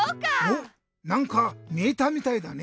おっなんかみえたみたいだね。